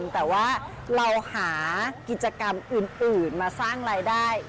แต่ว่าเราหากิจกรรมอื่นมาสร้างรายได้